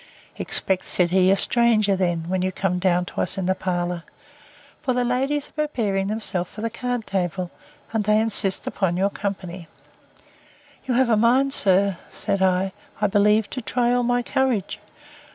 Expect, said he, a stranger then, when you come down to us in the parlour; for the ladies are preparing themselves for the card table, and they insist upon your company.—You have a mind, sir, said I, I believe, to try all my courage.